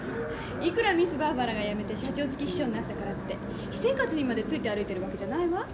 いくらミスバーバラが辞めて社長付き秘書になったからって私生活にまでついて歩いてるわけじゃないわ。